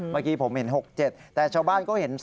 เมื่อกี้ผมเห็น๖๗แต่ชาวบ้านก็เห็น๒๙๖๙๘๗๘๑๑